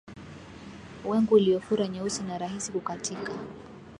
Wengu iliyofura nyeusi na rahisi kukatika